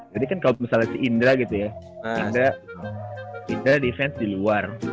jadi kan kalo misalnya si indra gitu ya indra defense di luar